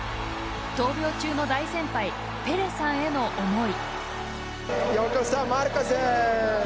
闘病中の大先輩ペレさんへの思い。